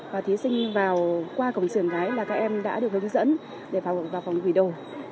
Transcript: và thí sinh qua cổng trường gái là các em đã được hướng dẫn để vào phòng gửi đồ